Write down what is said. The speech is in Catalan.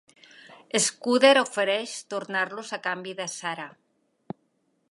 Scudder ofereix tornar-los a canvi de Sarah.